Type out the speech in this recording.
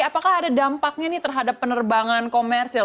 apakah ada dampaknya nih terhadap penerbangan komersil